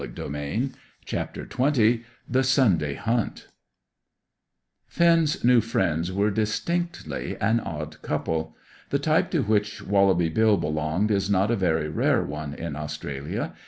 CHAPTER XX THE SUNDAY HUNT Finn's new friends were distinctly an odd couple. The type to which Wallaby Bill belonged is not a very rare one in Australia.